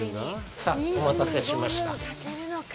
さあ、お待たせしました。